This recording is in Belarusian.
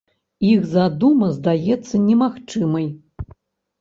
Іх задума здаецца немагчымай.